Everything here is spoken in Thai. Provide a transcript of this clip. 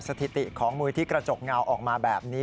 สถิติของมือที่กระจกเงาออกมาแบบนี้